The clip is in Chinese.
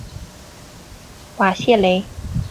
瓦谢雷。